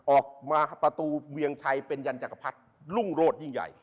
ออกมาประตูเวียงชัยเป็นยันจักรพรรดิรุ่งโรธยิ่งใหญ่